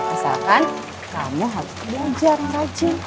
asalkan kamu harus belajar rajin